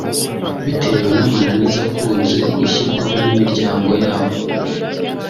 bitewe n’amananiza akunze gushyirwaho n’imiryango yabo